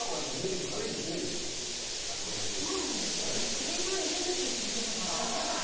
武井さんいけるって言ってたから。